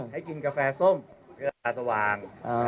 ให้กินกาแฟส้มเพื่อสว่าง